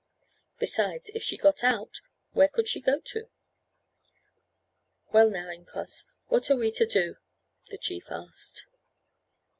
Besides, if she got out, where could she go to?" "Well, now, incos, what are we to do?" the chief asked.